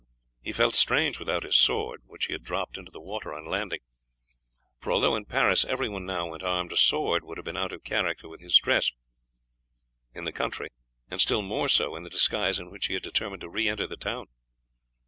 He felt strange without his sword, which he had dropped into the water on landing; for although in Paris every one now went armed, a sword would have been out of character with his dress, in the country, and still more so in the disguise in which he had determined to re enter the town.